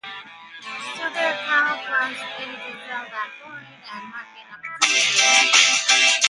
SuperCalc was created to fill that void and market opportunity.